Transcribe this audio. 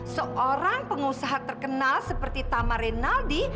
seorang pengusaha terkenal seperti tamar reynaldi